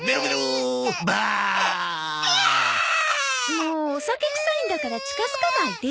もうお酒くさいんだから近づかないで。